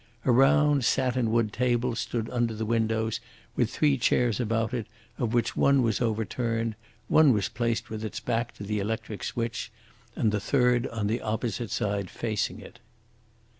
A round satinwood table stood under the windows, with three chairs about it, of which one was overturned, one was placed with its back to the electric switch, and the third on the opposite side facing it.